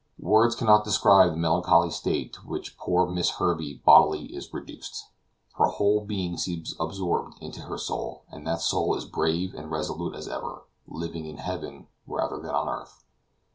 Words cannot describe the melancholy state to which poor Miss Herbey bodily is reduced; her whole being seems absorbed into her soul, but that soul is brave and resolute as ever, living in heaven rather than on earth.